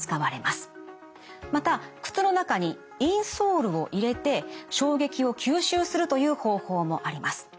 また靴の中にインソールを入れて衝撃を吸収するという方法もあります。